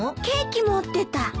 ケーキ持ってた。